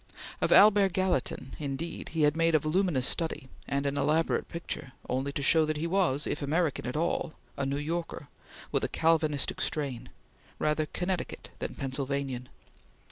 Of Albert Gallatin, indeed, he had made a voluminous study and an elaborate picture, only to show that he was, if American at all, a New Yorker, with a Calvinistic strain rather Connecticut than Pennsylvanian.